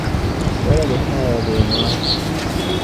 وَلَا لِحَاذِرٍ رَاحَةٌ